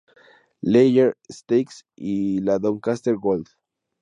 Leger Stakes y la Doncaster Gold.